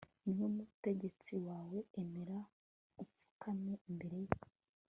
ni we mutegetsi wawe: emera upfukame imbere ye